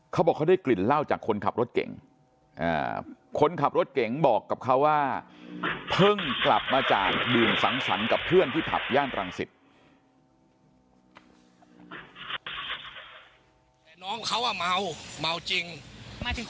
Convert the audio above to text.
เขาบอกเขาได้กลิ่นเหล้าจากคนขับรถเก่งคนขับรถเก่งบอกกับเขาว่าเพิ่งกลับมาจากดื่มสังสรรค์กับเพื่อนที่ผับย่านรังสิต